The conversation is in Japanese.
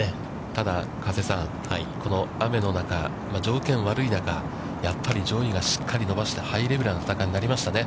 ただ加瀬さん、この雨の中、条件の悪い中、やっぱり上位がしっかり伸ばしてハイレベルな戦いになりましたね。